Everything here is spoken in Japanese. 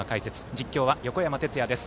実況は横山哲也です。